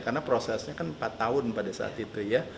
karena prosesnya kan empat tahun pada saat itu ya